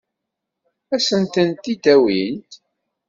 Ad sent-tent-id-awint?